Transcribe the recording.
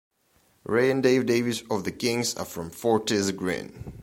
Ray and Dave Davies of the Kinks are from Fortis Green.